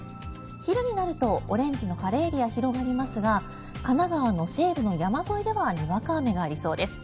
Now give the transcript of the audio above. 昼になるとオレンジの晴れエリアが広がりますが神奈川の西部の山沿いではにわか雨がありそうです。